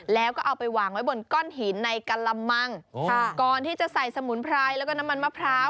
แล้วก็เอาไปวางไว้บนก้อนหินในกะละมังก่อนที่จะใส่สมุนไพรแล้วก็น้ำมันมะพร้าว